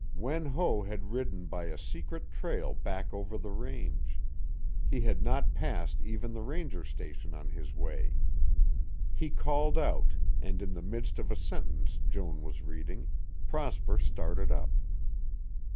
Wen Ho had ridden by a secret trail back over the range; he had not passed even the ranger station on his way. He called out, and, in the midst of a sentence Joan was reading, Prosper started up.